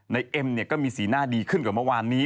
เอ็มเนี่ยก็มีสีหน้าดีขึ้นกว่าเมื่อวานนี้